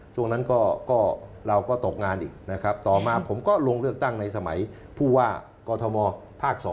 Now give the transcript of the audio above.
ช่วงนั้นก็เราก็ตกงานอีกนะครับต่อมาผมก็ลงเลือกตั้งในสมัยผู้ว่ากอทมภาค๒